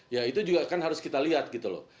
ya itu juga kan harus kita lihat gitu loh